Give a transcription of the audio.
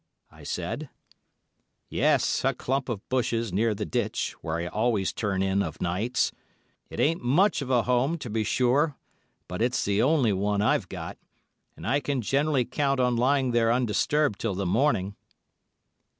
I said. "Yes, a clump of bushes near the ditch, where I always turn in of nights. It ain't much of a home, to be sure, but it's the only one I've got, and I can generally count on lying there undisturbed till the morning."